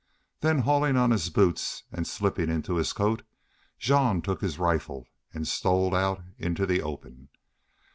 Then hauling on his boots and slipping into his coat Jean took his rifle and stole out into the open.